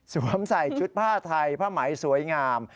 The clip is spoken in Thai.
ใส่ชุดผ้าไทยผ้าไหมสวยงาม